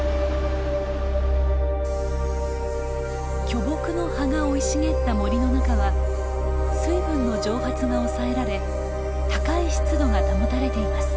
巨木の葉が生い茂った森の中は水分の蒸発が抑えられ高い湿度が保たれています。